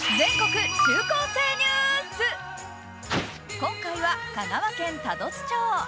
今回は香川県多度津町。